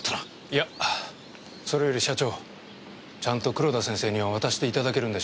いやそれより社長ちゃんと黒田先生には渡していただけるんでしょうね？